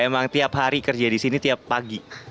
emang tiap hari kerja di sini tiap pagi